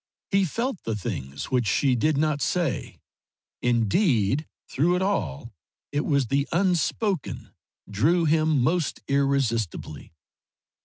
He felt the things which she did not say; indeed through it all it was the unspoken drew him most irresistibly.